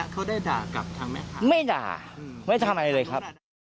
เขาได้ด่ากลับทางไหมครับไม่ด่าไม่ได้ทำอะไรเลยครับ